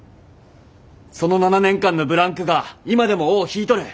その７年間のブランクが今でも尾を引いとる。